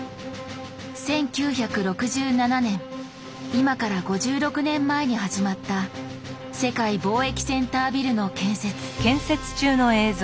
今から５６年前に始まった世界貿易センタービルの建設。